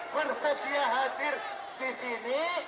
bersedia hadir disini